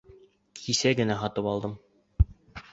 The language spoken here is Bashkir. Кисә генә һатып алдым.